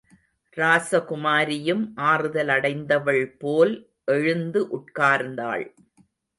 ராசகுமாரியும், ஆறுதலடைந்தவள் போல் எழுந்து உட்கார்ந்தாள்.